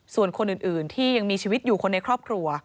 ส่วนคนอื่นที่ยังมีชีวิตอยู่คนในครอบครัว